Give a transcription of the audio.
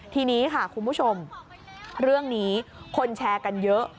ทีนี้ค่ะคุณผู้ชมเรื่องนี้คนแชร์กันเยอะ